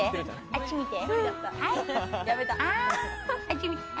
あっち見て。